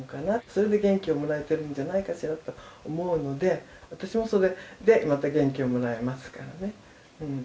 それで元気をもらえてるんじゃないかしらと思うので私もそれでまた元気をもらいますからねうん。